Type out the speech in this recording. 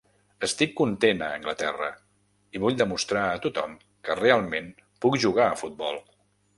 Estic content a Anglaterra i vull demostrar a tothom que realment puc jugar a futbol.